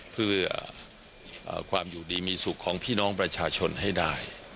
เพื่อความอยู่ดีมีสุขของพี่น้องประชาชนให้ได้